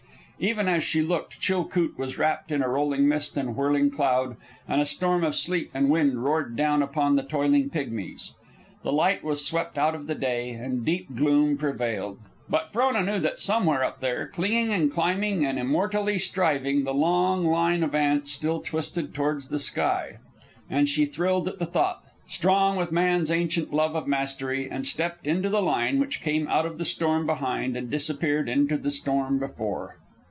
Even as she looked, Chilcoot was wrapped in rolling mist and whirling cloud, and a storm of sleet and wind roared down upon the toiling pigmies. The light was swept out of the day, and a deep gloom prevailed; but Frona knew that somewhere up there, clinging and climbing and immortally striving, the long line of ants still twisted towards the sky. And she thrilled at the thought, strong with man's ancient love of mastery, and stepped into the line which came out of the storm behind and disappeared into the storm before.